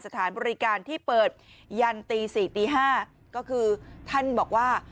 สถานบริการที่เปิดยันตี๔ตี๕ก็คือท่านบอกว่า